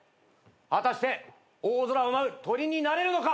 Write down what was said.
果たして大空を舞う鳥になれるのか。